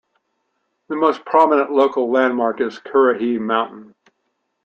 The most prominent local landmark is Currahee Mountain.